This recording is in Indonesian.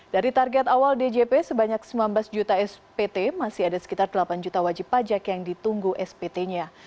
dari target awal djp sebanyak sembilan belas juta spt masih ada sekitar delapan juta wajib pajak yang ditunggu spt nya